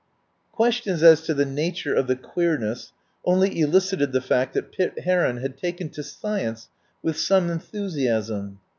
Questions as to the nature of the queerness only elicited the fact that Pitt Heron had taken to science with some enthusiasm.